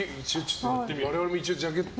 我々も一応ジャケット。